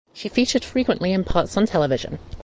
She featured frequently in parts on television.